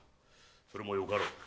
それもよかろう。